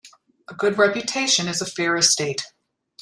A good reputation is a fair estate.